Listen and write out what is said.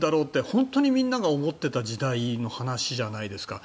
本当にみんなが思っていた時代の話じゃないですか。